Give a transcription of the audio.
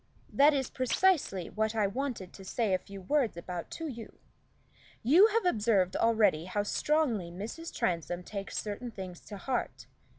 "That is precisely what I wanted to say a few words about to you. You have observed already how strongly Mrs. Transome takes certain things to heart.